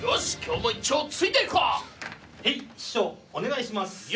師匠お願いします。